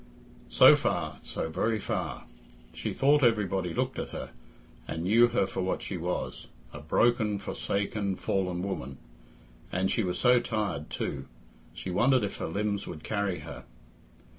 So far, so very far. She thought everybody looked at her, and knew her for what she was a broken, forsaken, fallen woman. And she was so tired too; she wondered if her limbs would carry her.